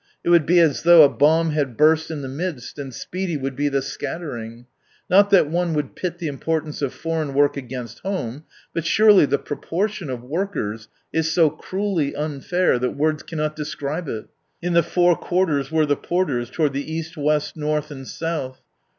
It would be as though a bomb had burst in the midst, and speedy would be the scattering ! Not that one would pit the importance of foreign work against home, but surely the proportion of workers is so cruelly unfair that words can ..,. not describe it. " In the four quarters were . J V''. the porters : toward the East, West, North, South."